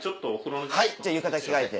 じゃあ浴衣着替えて。